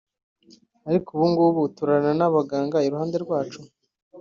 ariko ubu ngubu turarana n’abaganga iruhande rwacu